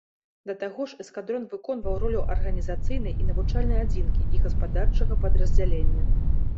Да таго ж, эскадрон выконваў ролю арганізацыйнай і навучальнай адзінкі і гаспадарчага падраздзялення.